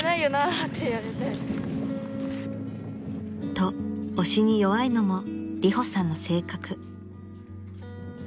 ［と押しに弱いのもリホさんの性格］